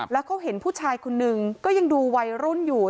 แล้วเขาเห็นผู้ชายคนนึงก็ยังดูวัยรุ่นอยู่